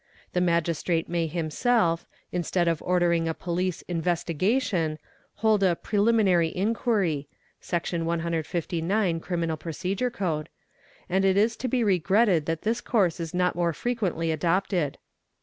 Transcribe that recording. The Magistrate may himself, instead of ordering a Police " Investi gation," hold a '' Preliminary Inquiry," (Section 159, Criminal Procedure | Code), and it is to be regretted that this course is not more frequently adopted.